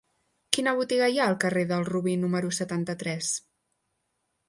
Quina botiga hi ha al carrer del Robí número setanta-tres?